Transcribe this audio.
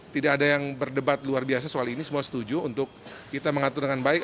tidak ada yang berdebat luar biasa soal ini semua setuju untuk kita mengatur dengan baik